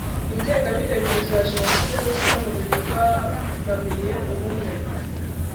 Ingengabitekerezo ya jenoside ni kimwe mu bibangamiye ubumwe.